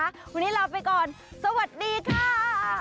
วันนี้ลาไปก่อนสวัสดีค่ะ